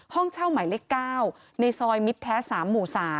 ห้องเช่าหมายเลข๙ในซอยมิตรแท้๓หมู่๓